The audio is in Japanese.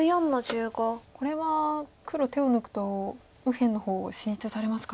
これは黒手を抜くとは右辺の方を進出されますか。